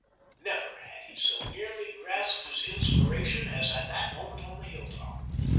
Never had he so nearly grasped his inspiration as at that moment on the hilltop.